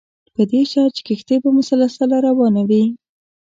په دې شرط چې کښتۍ به مسلسله روانه وي.